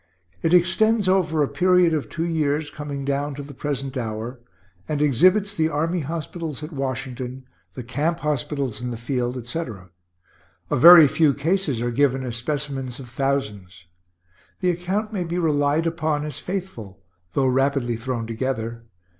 It extends over a period of two years, coming down to the present hour, and exhibits the army hospitals at Washington, the camp hospitals in the field, etc. A very few cases are given as specimens of thousands. The account may be relied upon as faithful, though rapidly thrown together.